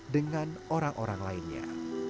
dengan orang orang lainnya